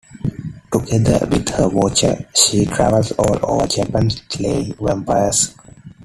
Together with her watcher, she traveled all over Japan slaying vampires.